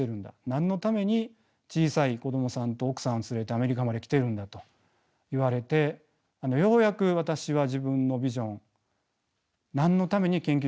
何のために小さい子どもさんと奥さんを連れてアメリカまで来てるんだと言われてようやく私は自分のビジョン何のために研究者になったかを思い出しました。